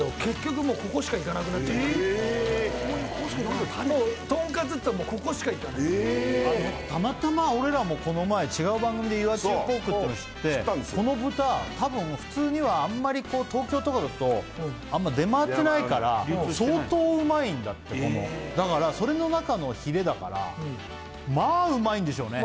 福さんの方から話をするとたまたま俺らもこの前違う番組で岩中ポークっていうのを知ってこの豚多分普通にはあんまり東京とかだとあんま出回ってないから相当うまいんだってだからそれの中のヒレだからまあうまいんでしょうね